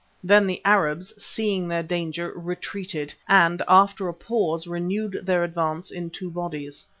Then the Arabs, seeing their danger, retreated and, after a pause, renewed their advance in two bodies.